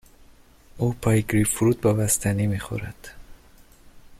او پای گریپ فروت با بستنی می خورد.